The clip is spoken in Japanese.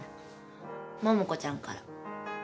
桃子ちゃんから。